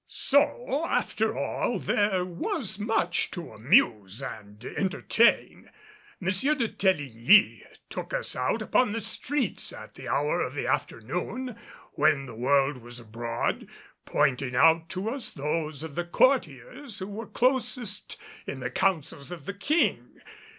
So, after all, there was much to amuse and entertain. M. de Teligny took us out upon the streets at the hour of the afternoon when the world was abroad, pointing out to us those of the courtiers who were closest in the councils of the King.